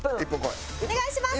お願いします！